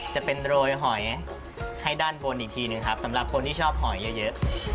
จะเป็นโรยหอยให้ด้านบนอีกทีหนึ่งครับสำหรับคนที่ชอบหอยเยอะ